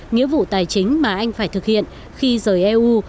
nghĩa vụ tài chính mà anh phải thực hiện khi rời eu